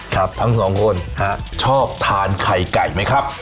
ทั้งสองคนฮะชอบทานไข่ไก่ไหมครับ